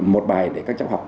một bài để các cháu học